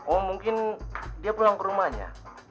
oh mungkin dia pulang ke rumahnya